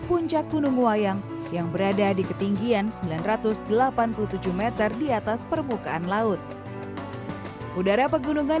puncak gunung wayang yang berada di ketinggian sembilan ratus delapan puluh tujuh m di atas permukaan laut udara pegunungan